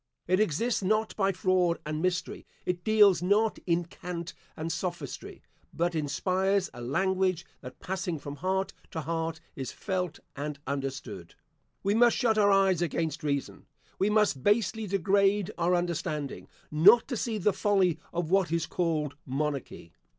It exists not by fraud and mystery; it deals not in cant and sophistry; but inspires a language that, passing from heart to heart, is felt and understood. We must shut our eyes against reason, we must basely degrade our understanding, not to see the folly of what is called monarchy.